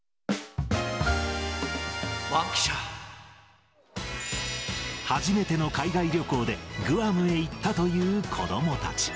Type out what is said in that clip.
本当に、初めての海外旅行でグアムへ行ったという子どもたち。